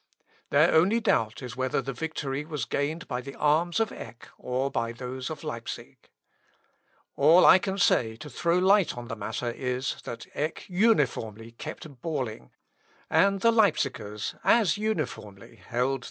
Their only doubt is whether the victory was gained by the arms of Eck, or by those of Leipsic. All I can say to throw light on the matter is, that Eck uniformly kept bawling, and the Leipsickers as uniformly held their peace."